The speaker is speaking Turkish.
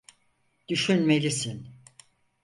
Düşünmelisin.